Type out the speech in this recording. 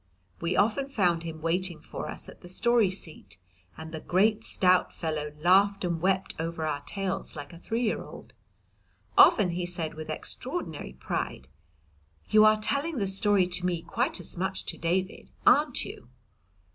We often found him waiting for us at the Story seat, and the great stout fellow laughed and wept over our tales like a three year old. Often he said with extraordinary pride, "You are telling the story to me quite as much as to David, ar'n't you?"